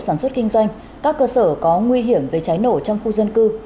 sản xuất kinh doanh các cơ sở có nguy hiểm về cháy nổ trong khu dân cư